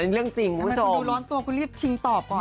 เป็นเรื่องจริงคุณผู้ชมทำไมคุณดูร้อนตัวคุณรีบชิงตอบก่อน